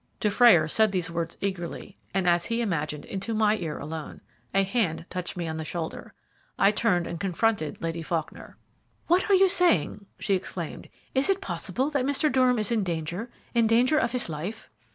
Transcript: Dufrayer said these words eagerly, and as he imagined into my ear alone. A hand touched me on the shoulder. I turned and confronted Lady Faulkner. "What are you saying?" she exclaimed. "Is it possible that Mr. Durham is in danger, in danger of his life?"